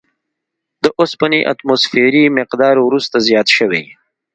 د اوسپنې اتوموسفیري مقدار وروسته زیات شوی.